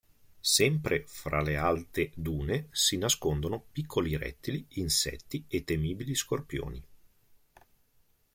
Sempre fra le alte dune si nascondono piccoli rettili, insetti e temibili scorpioni.